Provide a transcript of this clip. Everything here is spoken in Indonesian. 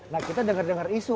nah kita denger denger isu